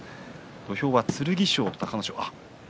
土俵は剣翔と隆の勝です。